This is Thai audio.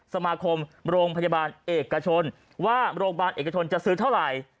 สมาคมโรงพยาบาลเอกชนว่าโรงพยาบาลเอกชนจะซื้อเท่าไหร่